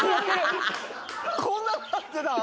こんなんなってたん？